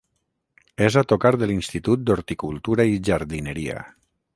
És a tocar de l'Institut d'Horticultura i Jardineria.